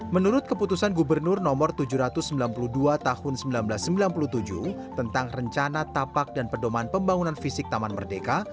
menurut keputusan gubernur nomor tujuh ratus sembilan puluh dua tahun seribu sembilan ratus sembilan puluh tujuh tentang rencana tapak dan pedoman pembangunan fisik taman merdeka